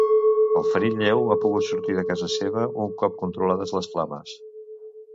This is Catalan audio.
El ferit lleu ha pogut sortir de casa seva un cop controlades les flames.